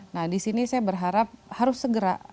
nah disini saya berharap harus segera